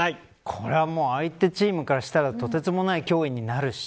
これはもう相手チームからしたらとてつもない脅威になるし